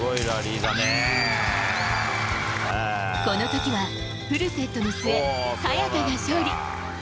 この時は、フルセットの末早田が勝利。